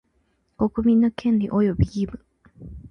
国民の権利及び義務